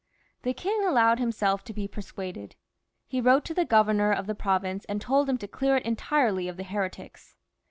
The king allowed him self to be persuaded ; he wrote to the governor of the pro vince and told him to clear it entirely of the heretics.